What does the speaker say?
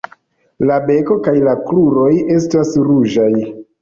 La beko kaj kruroj estas ruĝaj.